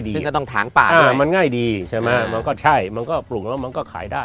ดีมันง่ายดีใช่ไหมมันก็ใช่มันก็ปลูกแล้วมันก็ขายได้